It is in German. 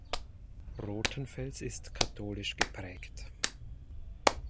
Rothenfels ist katholisch geprägt.